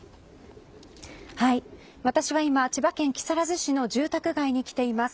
私は今、千葉県木更津市の住宅街に来ています。